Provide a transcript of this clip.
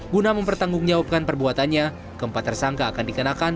guna mempertanggungjawabkan perbuatannya keempat tersangka akan dikenakan